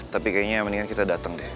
tapi kayaknya mendingan kita datang deh